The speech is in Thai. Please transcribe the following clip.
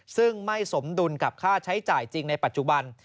ซึ่งไม่สมดุลกับค่าใช้จ่ายจริงในปัจจุบัน